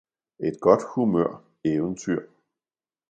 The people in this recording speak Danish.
Et godt humør Eventyr